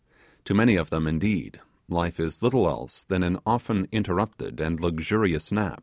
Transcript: To many of them, indeed, life is little else than an often interrupted and luxurious nap.